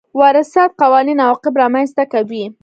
وراثت قوانين عواقب رامنځ ته کوي.